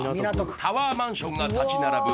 ［タワーマンションが立ち並ぶ